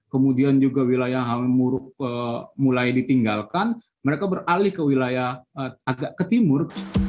kemudian juga wilayah halimuruk mulai ditinggalkan mereka beralih ke wilayah agak ke timur